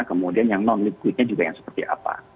kemudian yang non liquidnya juga yang seperti apa